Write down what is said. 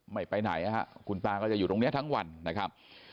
ไม่ไปไหนคุณตาก็จะอยู่ตรงนี้ทั้งวันนะครับ